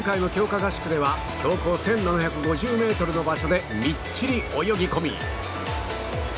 合宿では標高１７５０ｍの場所でみっちり泳ぎ込み！